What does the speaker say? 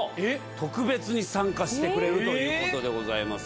特別に参加してくれるということでございます。